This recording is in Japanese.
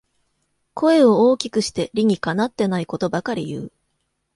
声を大きくして理にかなってないことばかり言う